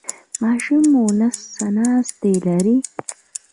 ماشوم مو نس ناستی لري؟